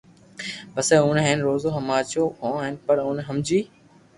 پسي اوني ھين روز ھماجو ھون پر او ھمجي